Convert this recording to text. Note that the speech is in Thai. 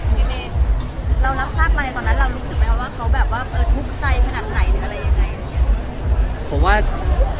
เรารับทราบมาในตอนนั้นรู้สึกไหมว่าเขาแบบว่าทุกใจแบบไหนอะไรยังไง